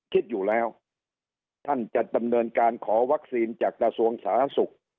คิดอยู่แล้วท่านจะดำเนินการขอวัคซีนจากกระทรวงสาธารณสุข